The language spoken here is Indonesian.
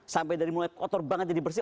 sampai dari mulai kotor banget jadi bersih